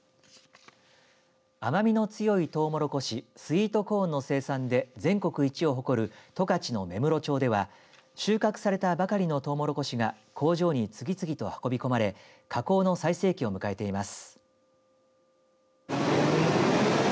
甘みの強いとうもろこしスイートコーンの生産で全国一を誇る十勝の芽室町では収穫されたばかりのとうもろこしが工場に次々と運び込まれ加工の最盛期を迎えています。